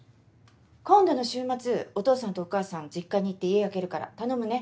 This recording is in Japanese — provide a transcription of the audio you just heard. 今度の週末お父さんとお母さん実家に行って家空けるから頼むね。